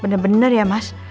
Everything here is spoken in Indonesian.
bener bener ya mas